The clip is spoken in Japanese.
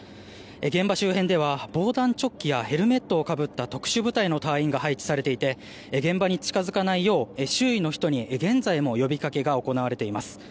現場周辺では防弾チョッキやヘルメットをかぶった特殊部隊の隊員が配置されていて現場に近づかないよう周囲の人に現在も呼びかけが行われています。